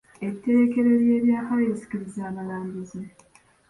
Etterekero ly'ebyafaayo lisikiriza abalambuzi.